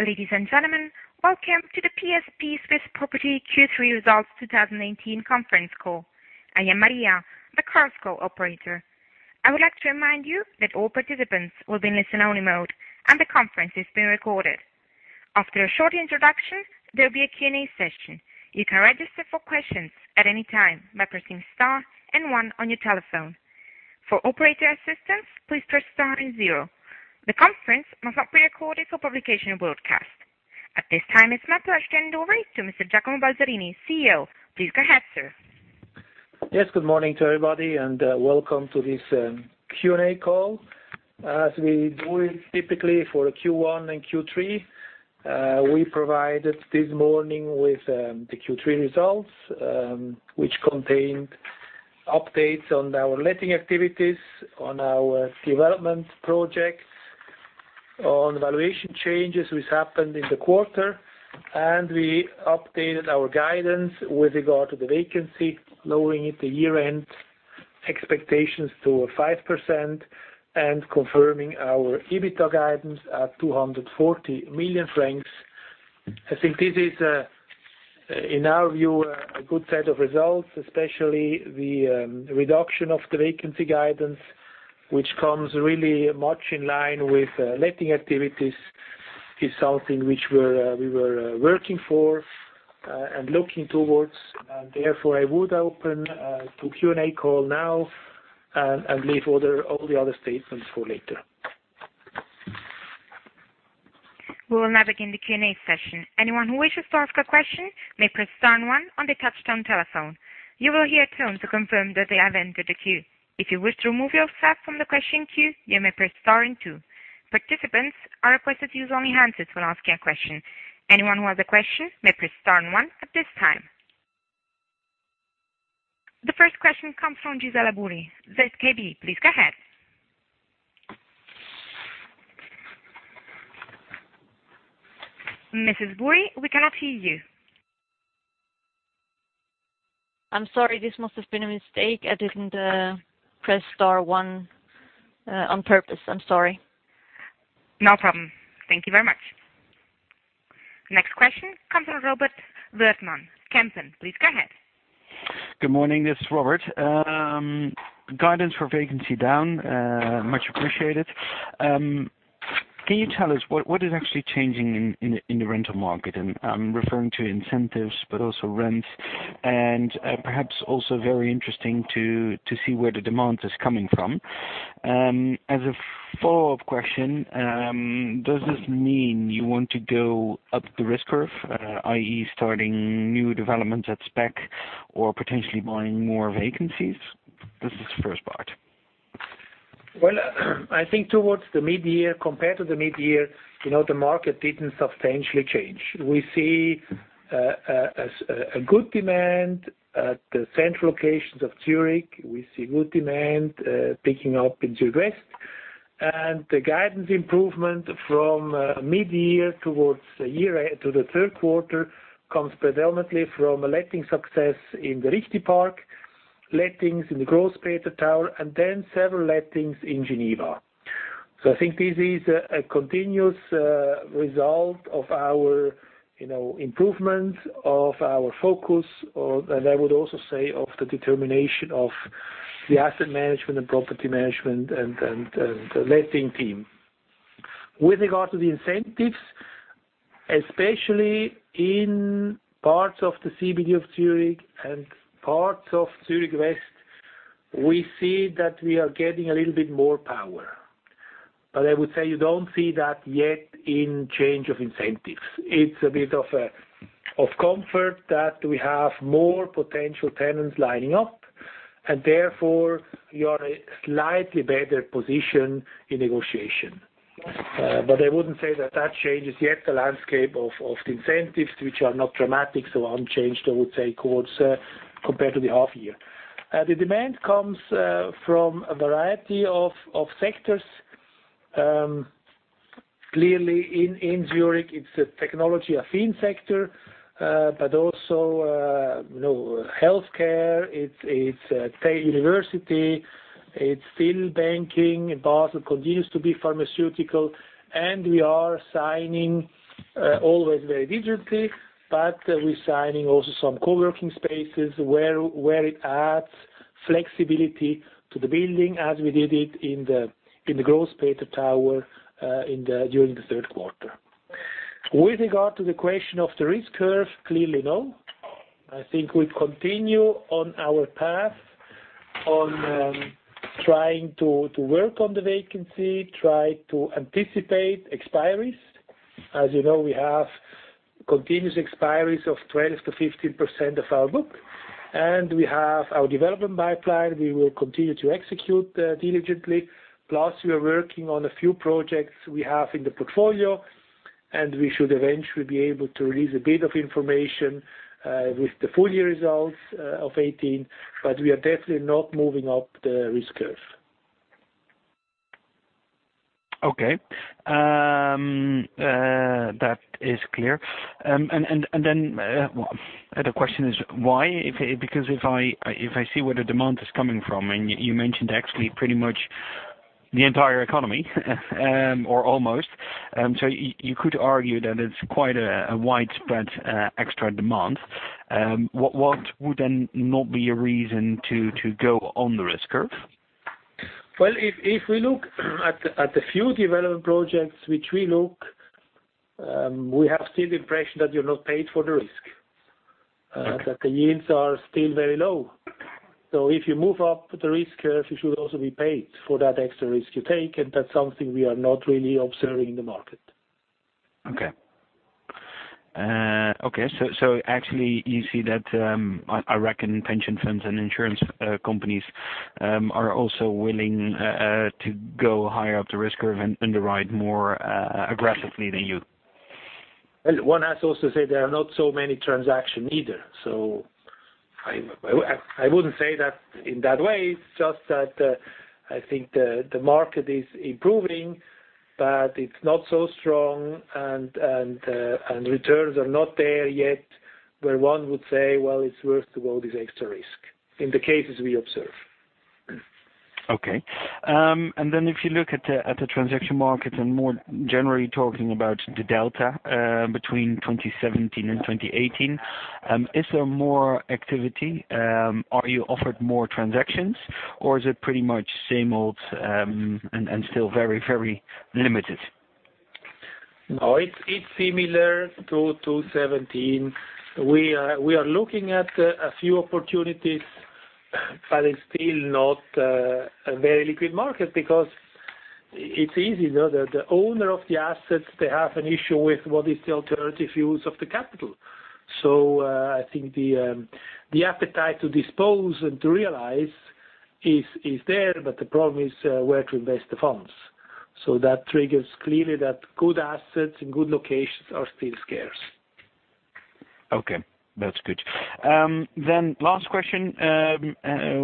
Ladies and gentlemen, welcome to the PSP Swiss Property Q3 Results 2018 conference call. I am Maria, the Chorus Call operator. I would like to remind you that all participants will be in listen-only mode, and the conference is being recorded. After a short introduction, there will be a Q&A session. You can register for questions at any time by pressing star and one on your telephone. For operator assistance, please press star and zero. The conference must not be recorded for publication and broadcast. At this time, it's my pleasure to hand over to Mr. Giacomo Balzarini, CEO. Please go ahead, sir. Yes, good morning to everybody, welcome to this Q&A call. As we do it typically for Q1 and Q3, we provided this morning with the Q3 results, which contained updates on our letting activities, on our development projects, on valuation changes which happened in the quarter, we updated our guidance with regard to the vacancy, lowering it to year-end expectations to 5% and confirming our EBITDA guidance at 240 million francs. I think this is, in our view, a good set of results, especially the reduction of the vacancy guidance, which comes really much in line with letting activities, is something which we were working for and looking towards. Therefore, I would open to Q&A call now and leave all the other statements for later. We will now begin the Q&A session. Anyone who wishes to ask a question may press star one on the touchtone telephone. You will hear a tone to confirm that they have entered the queue. If you wish to remove yourself from the question queue, you may press star and two. Participants are requested to use only handsets when asking a question. Anyone who has a question may press star and one at this time. The first question comes from Gisela Burri, ZKB. Please go ahead. Mrs. Burri, we cannot hear you. I'm sorry. This must have been a mistake. I didn't press star one on purpose. I'm sorry. No problem. Thank you very much. Next question comes from Robert Wierzbicki, Kempen. Please go ahead. Good morning. This is Robert. Guidance for vacancy down, much appreciated. Can you tell us what is actually changing in the rental market? I'm referring to incentives, but also rents, and perhaps also very interesting to see where the demand is coming from. As a follow-up question, does this mean you want to go up the risk curve, i.e., starting new developments at spec or potentially buying more vacancies? This is the first part. I think towards the mid-year, compared to the mid-year, the market didn't substantially change. We see a good demand at the central locations of Zurich. We see good demand picking up in Zurich West. The guidance improvement from mid-year towards the third quarter comes predominantly from a letting success in the Richtipark, lettings in the Grossmünster tower, and several lettings in Geneva. I think this is a continuous result of our improvement of our focus or, and I would also say, of the determination of the asset management and property management and the letting team. With regard to the incentives, especially in parts of the CBD of Zurich and parts of Zurich West, we see that we are getting a little bit more power. I would say you don't see that yet in change of incentives. It's a bit of comfort that we have more potential tenants lining up, and therefore you are in a slightly better position in negotiation. I wouldn't say that that changes yet the landscape of the incentives, which are not dramatic, so unchanged, I would say, compared to the half year. The demand comes from a variety of sectors. Clearly in Zurich, it's a technology-affine sector. Also, healthcare, it's university, it's still banking. In Basel, continues to be pharmaceutical, and we are signing always very diligently, but we're signing also some co-working spaces where it adds flexibility to the building as we did it in the Grossmünster tower during the third quarter. With regard to the question of the risk curve, clearly no. I think we continue on our path on trying to work on the vacancy, try to anticipate expiries. As you know, we have continuous expiries of 20%-15% of our book, and we have our development pipeline. We will continue to execute diligently. Plus, we are working on a few projects we have in the portfolio, and we should eventually be able to release a bit of information with the full year results of 2018, we are definitely not moving up the risk curve. That is clear. The question is, why? If I see where the demand is coming from, and you mentioned actually pretty much the entire economy or almost. You could argue that it's quite a widespread extra demand. What would not be a reason to go on the risk curve? Well, if we look at the few development projects which we look, we have still the impression that you're not paid for the risk. Okay. That the yields are still very low. If you move up the risk curve, you should also be paid for that extra risk you take, that's something we are not really observing in the market. Okay. Actually, you see that, I reckon pension firms and insurance companies are also willing to go higher up the risk curve and underwrite more aggressively than you. Well, one has also to say there are not so many transactions either. I wouldn't say that in that way, it's just that I think the market is improving, but it's not so strong and the returns are not there yet, where one would say, "Well, it's worth to go this extra risk," in the cases we observe. Okay. If you look at the transaction market and more generally talking about the delta between 2017 and 2018, is there more activity? Are you offered more transactions or is it pretty much same old and still very limited? No, it's similar to 2017. We are looking at a few opportunities, but it's still not a very liquid market because it's easy to know that the owner of the assets, they have an issue with what is the alternative use of the capital. I think the appetite to dispose and to realize is there, but the problem is where to invest the funds. That triggers clearly that good assets and good locations are still scarce. Last question.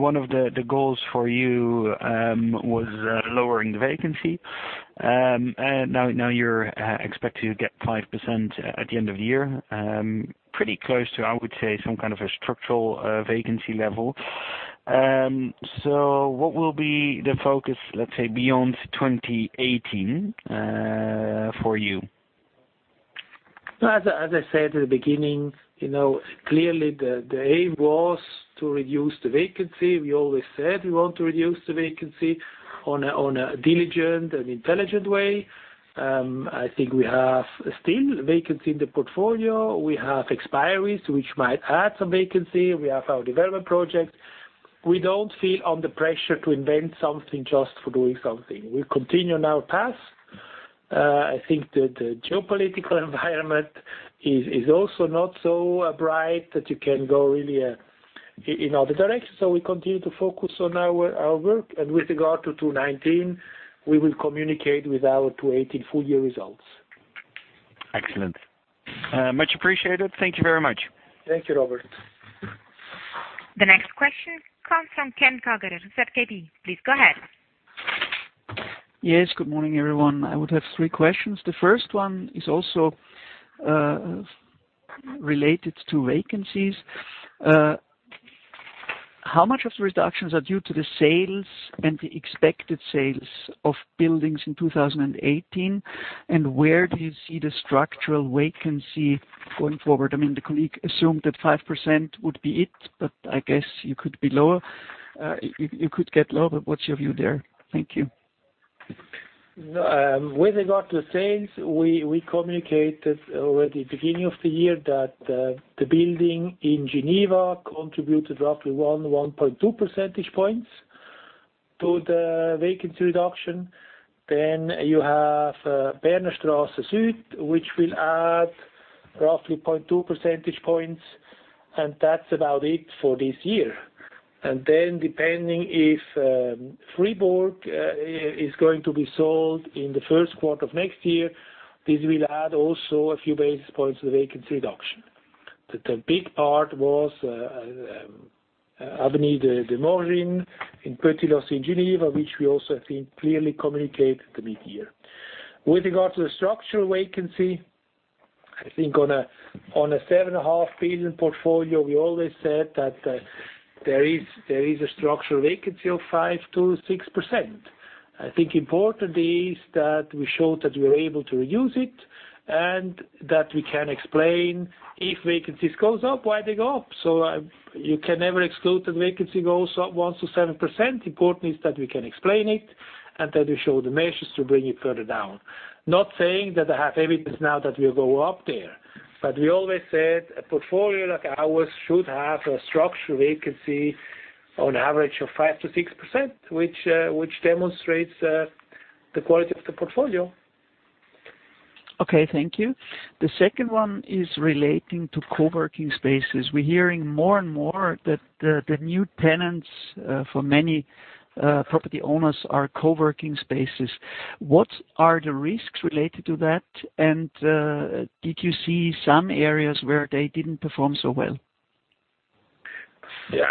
One of the goals for you was lowering the vacancy. Now you're expecting to get 5% at the end of the year. Pretty close to, I would say, some kind of a structural vacancy level. What will be the focus, let's say, beyond 2018 for you? As I said at the beginning, clearly the aim was to reduce the vacancy. We always said we want to reduce the vacancy on a diligent and intelligent way. I think we have still vacancy in the portfolio. We have expiries, which might add some vacancy. We have our development projects. We don't feel under pressure to invent something just for doing something. We continue on our path. I think that the geopolitical environment is also not so bright that you can go really in other directions. We continue to focus on our work. With regard to 2019, we will communicate with our 2018 full year results. Excellent. Much appreciated. Thank you very much. Thank you, Robert. The next question comes from Ken Kagerer of ZKB. Please go ahead. Yes, good morning, everyone. I would have three questions. The first one is also related to vacancies. How much of the reductions are due to the sales and the expected sales of buildings in 2018? Where do you see the structural vacancy going forward? The colleague assumed that 5% would be it, I guess you could get lower, but what's your view there? Thank you. With regard to sales, we communicated already beginning of the year that the building in Geneva contributed roughly one, 1.2 percentage points to the vacancy reduction. You have Bernerstrasse Süd, which will add roughly 0.2 percentage points, that's about it for this year. Depending if Fribourg is going to be sold in the first quarter of next year, this will add also a few basis points to the vacancy reduction. The big part was Avenue des Morgines in Petit-Lancy, Geneva, which we also, I think, clearly communicated the mid-year. With regard to the structural vacancy, I think on a seven and a half billion portfolio, we always said that there is a structural vacancy of 5%-6%. I think important is that we showed that we are able to reduce it, that we can explain if vacancies goes up, why they go up. You can never exclude that vacancy goes up 1%-7%. Important is that we can explain it, that we show the measures to bring it further down. Not saying that I have evidence now that we'll go up there. We always said a portfolio like ours should have a structural vacancy on average of 5%-6%, which demonstrates the quality of the portfolio. Okay, thank you. The second one is relating to co-working spaces. We're hearing more and more that the new tenants for many property owners are co-working spaces. What are the risks related to that? Did you see some areas where they didn't perform so well? Yeah.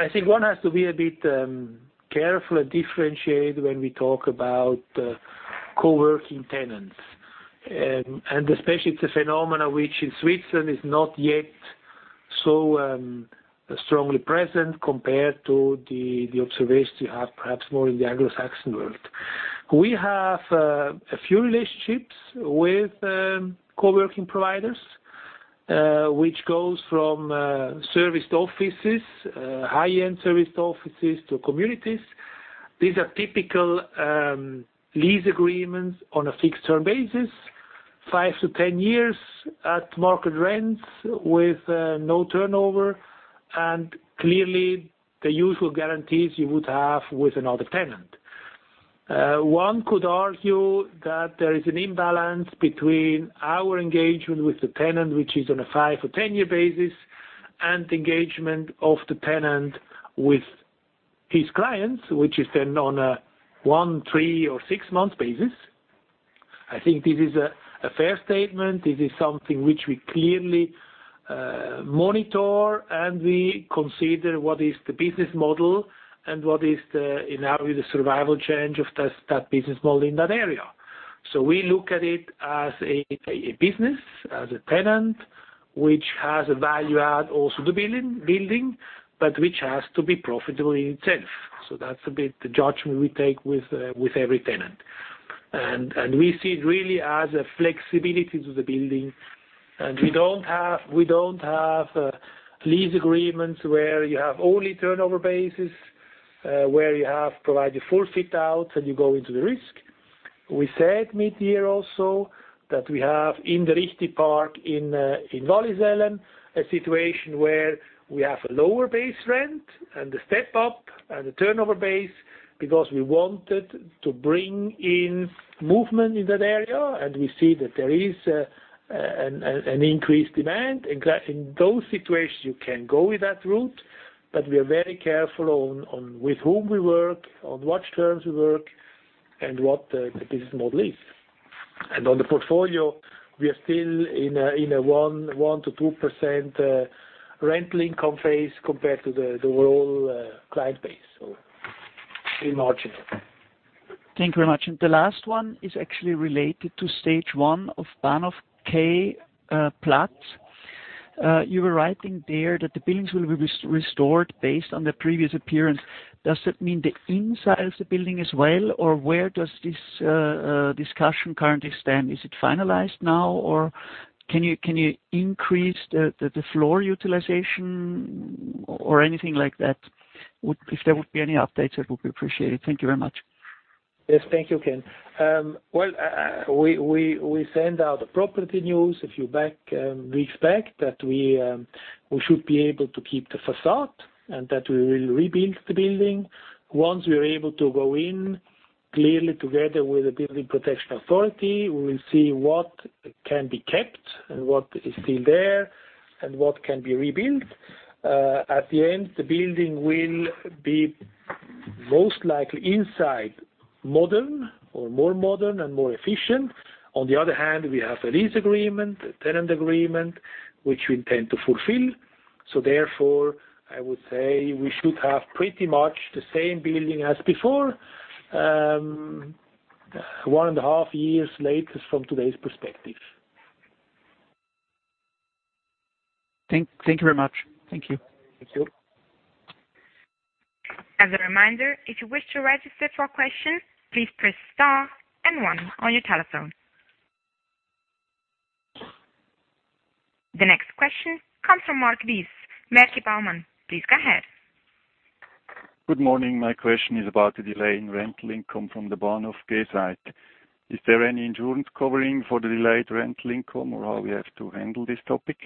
I think one has to be a bit careful and differentiate when we talk about co-working tenants. Especially, it's a phenomena which in Switzerland is not yet so strongly present compared to the observations you have, perhaps more in the Anglo-Saxon world. We have a few relationships with co-working providers, which goes from serviced offices, high-end serviced offices to communities. These are typical lease agreements on a fixed-term basis, 5 to 10 years at market rents with no turnover, and clearly the usual guarantees you would have with another tenant. One could argue that there is an imbalance between our engagement with the tenant, which is on a 5 or 10-year basis, and engagement of the tenant with his clients, which is then on a one, three, or six-month basis. I think this is a fair statement. This is something which we clearly monitor, and we consider what is the business model and what is the survival change of that business model in that area. We look at it as a business, as a tenant, which has a value add also to building, but which has to be profitable in itself. That's a bit the judgment we take with every tenant. We see it really as a flexibility to the building, and we don't have lease agreements where you have only turnover basis, where you have provided full fit out, and you go into the risk. We said mid-year also that we have, in the Richtipark in Wallisellen, a situation where we have a lower base rent and a step up and a turnover base because we wanted to bring in movement in that area, and we see that there is an increased demand. In those situations, you can go with that route, but we are very careful on with whom we work, on what terms we work, and what the business model is. On the portfolio, we are still in a 1%-2% rental income phase compared to the whole client base. Pretty marginal. Thank you very much. The last one is actually related to stage 1 of Bahnhofquai/Platz. You were writing there that the buildings will be restored based on the previous appearance. Does that mean the inside of the building as well, or where does this discussion currently stand? Is it finalized now, or can you increase the floor utilization or anything like that? If there would be any updates, that would be appreciated. Thank you very much. Yes. Thank you, Andreas Kauer. Well, we send out the property news. If you reach back that we should be able to keep the facade and that we will rebuild the building. Once we are able to go in, clearly together with the building protection authority, we will see what can be kept and what is still there and what can be rebuilt. At the end, the building will be most likely inside modern or more modern and more efficient. On the other hand, we have a lease agreement, a tenant agreement, which we intend to fulfill. Therefore, I would say we should have pretty much the same building as before, one and a half years later from today's perspective. Thank you very much. Thank you. Thank you. As a reminder, if you wish to register for a question, please press star and one on your telephone. The next question comes from Marc Bies, Maerki Baumann. Please go ahead. Good morning. My question is about the delay in rental income from the Bahnhofquai site. Is there any insurance covering for the delayed rental income or how we have to handle this topic?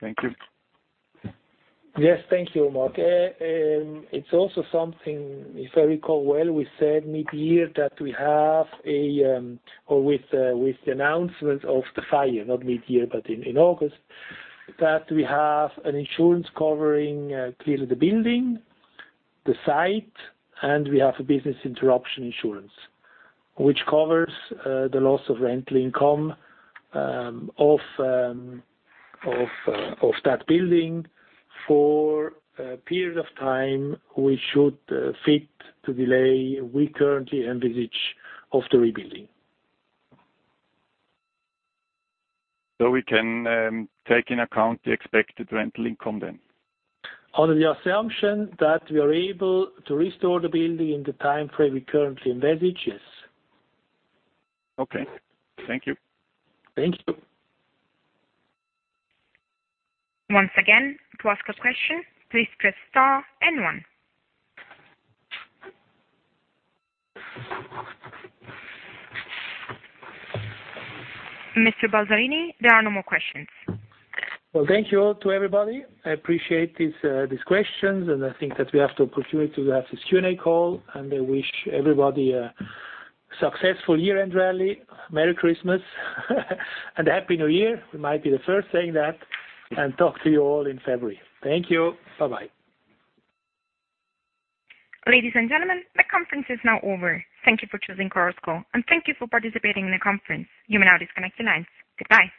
Thank you. Yes. Thank you, Marc. It's also something, if I recall well, we said mid-year that we have a with the announcement of the fire, not mid-year, but in August, that we have an insurance covering clearly the building, the site, and we have a business interruption insurance. Which covers the loss of rental income of that building for a period of time we should fit to delay, we currently envisage of the rebuilding. We can take into account the expected rental income then? Under the assumption that we are able to restore the building in the time frame we currently envisage, yes. Okay. Thank you. Thank you. Once again, to ask a question, please press star and one. Mr. Balzarini, there are no more questions. Well, thank you all to everybody. I appreciate these questions. I think that we have the opportunity to have this Q&A call, and I wish everybody a successful year-end rally. Merry Christmas and a happy New Year. We might be the first saying that. Talk to you all in February. Thank you. Bye-bye. Ladies and gentlemen, the conference is now over. Thank you for choosing Chorus Call, and thank you for participating in the conference. You may now disconnect your lines. Goodbye.